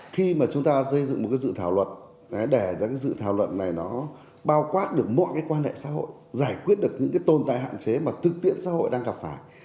khi mà chúng ta xây dựng một dự thảo luật để dự thảo luật này nó bao quát được mọi quan hệ xã hội giải quyết được những tồn tại hạn chế mà thực tiễn xã hội đang gặp phải